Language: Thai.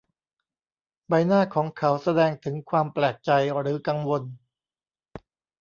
ใบหน้าของเขาแสดงถึงความแปลกใจหรือกังวล